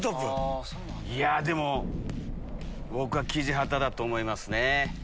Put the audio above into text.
いやでも僕はキジハタだと思いますね。